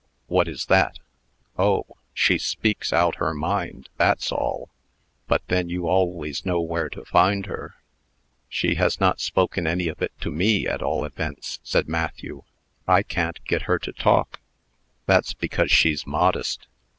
"What is that?" "Oh! she speaks out her mind that's all. But then you always know where to find her." "She has not spoken any of it to me, at all events," said Matthew. "I can't get her to talk." "That's because she's modest.